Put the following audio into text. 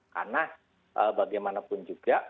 karena bagaimanapun juga